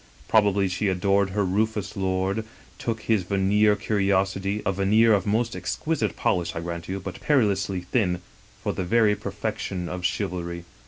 Probably she adored her rufous lord, took his veneer of courtesy — z, veneer of the most exquisite polish, I grant you, but perilously thin — for the very perfection of chivalry.